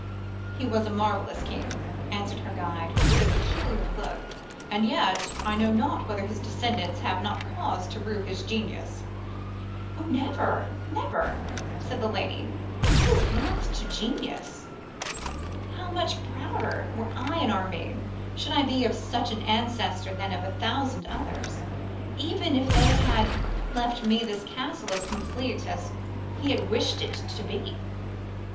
'He was a marvellous being,' answered her guide, with a peculiar look, 'and yet I know not whether his descendants have not cause to rue his genius.' 'Oh! never, never!' said the lady; 'what is wealth to genius? How much prouder, were I an Armine, should I be of such an ancestor than of a thousand others, even if they had left me this castle as complete as he wished it to be!